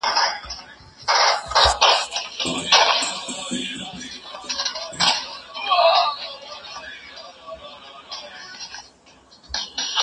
جواب ورکړه!